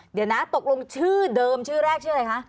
เดี๋ยวนะตกลงชื่อเดิมชื่อแรกชื่ออะไรคะ